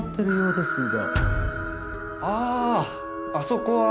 あああそこは。